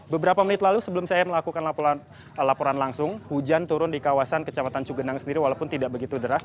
beberapa menit lalu sebelum saya melakukan laporan langsung hujan turun di kawasan kecamatan cugenang sendiri walaupun tidak begitu deras